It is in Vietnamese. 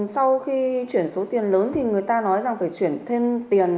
sau khi chuyển số tiền lớn thì người ta nói rằng phải chuyển thêm tiền